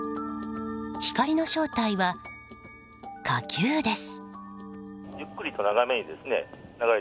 光の正体は火球です。